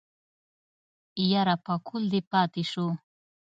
يره پکول دې پاتې شو.